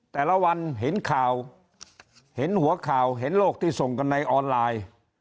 แต่ละวันเห็นข่าวเห็นหัวข่าวเห็นโลกที่ส่งกันในออนไลน์